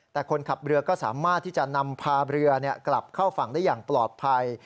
แต่คนขับเรือก็สามารถที่จะนำพาเรือกลับเข้าฝั่งได้อย่างปลอดภัย